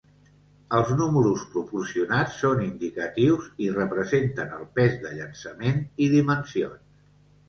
Els números proporcionats són indicatius i representen el pes de llançament i dimensions.